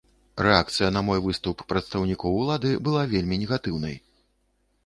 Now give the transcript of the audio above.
Рэакцыя на мой выступ прадстаўнікоў улады была вельмі негатыўнай.